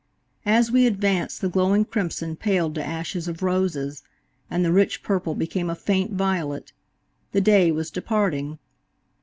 As we advanced the glowing crimson paled to ashes of roses, and the rich purple became a faint violet–the day was departing.